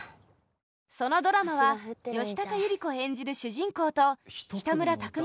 そのドラマは吉高由里子演じる主人公と北村匠海